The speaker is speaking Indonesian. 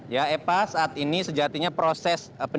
ya eva saat ini sejatinya proses penyelidikan